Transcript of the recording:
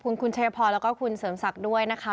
คุณคุณชัยพรแล้วก็คุณเสริมศักดิ์ด้วยนะคะ